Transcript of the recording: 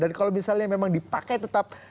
kalau misalnya memang dipakai tetap